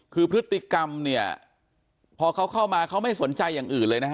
คือพฤติกรรมเนี่ยพอเขาเข้ามาเขาไม่สนใจอย่างอื่นเลยนะฮะ